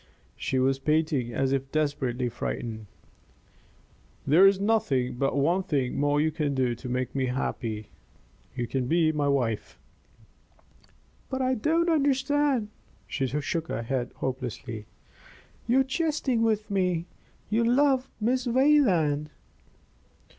She was panting as if desperately frightened. "There is but one thing more you can do to make me happy. You can be my wife." "But I don't understand!" She shook her head hopelessly. "You are jesting with me. You love Miss Wayland."